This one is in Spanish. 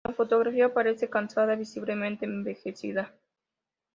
En la fotografía parece cansada, visiblemente envejecida.